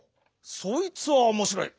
そいつはおもしろい。